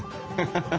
ハハハ。